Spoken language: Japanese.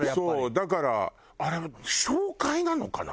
だからあれ紹介なのかな？